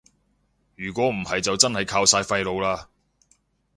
如果唔係就真係靠晒廢老喇